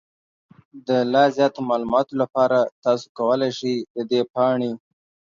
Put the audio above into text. د لا زیاتو معلوماتو لپاره، تاسو کولی شئ د دې پاڼې